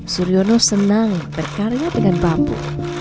suryono senang berkarya dengan bambu